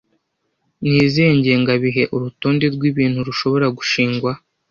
Ni izihe ngengabihe urutonde rwibintu rushobora gushingwa